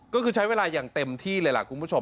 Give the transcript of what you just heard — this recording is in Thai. ก็คือใช้เวลาอย่างเต็มที่เลยล่ะคุณผู้ชม